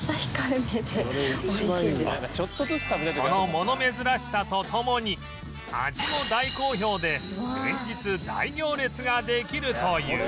その物珍しさとともに味も大好評で連日大行列ができるという